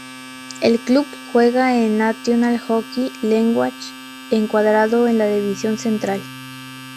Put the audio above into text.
El club juega en la National Hockey League encuadrado en la División Central.